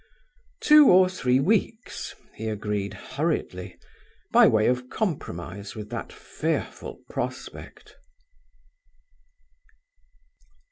"Two or three weeks," he agreed, hurriedly, by way of compromise with that fearful prospect.